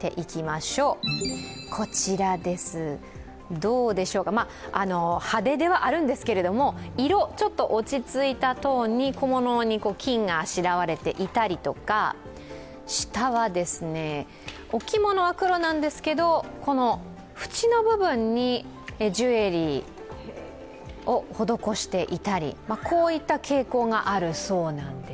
どうでしょうか、派手ではあるんですけれども、色、ちょっと落ち着いたトーンに小物に金があしらわれていたりですとか、下はお着物は黒なんですけど縁の部分にジュエリーを施していたり、こういった傾向があるそうなんです。